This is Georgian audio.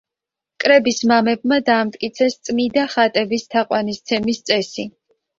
კრების მამებმა დაამტკიცეს წმიდა ხატების თაყვანისცემის წესი.